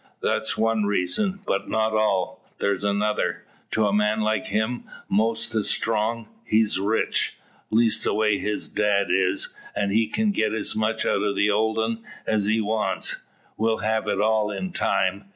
That's one reason, but not all. There's another to a man like him 'most as strong. He's rich, leastaways his dad is, an' he can get as much out o' the old 'un as he wants, will have it all in time.